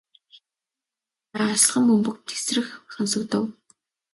Хэдэн хормын дараа алсхан бөмбөг тэсрэх сонсогдов.